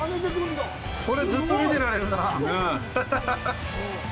これ、ずっと見てられるなあ。